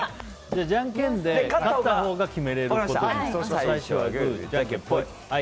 じゃんけんで勝ったほうが決められることにしよう。